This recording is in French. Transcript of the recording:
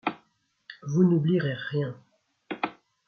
Vous n’oublierez rien. ..